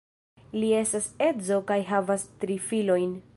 Li estas edzo kaj havas tri filojn.